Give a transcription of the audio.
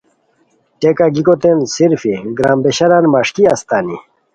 ٹیکہ گیکوتین صرفی گرامبیشانان مݰکی استانی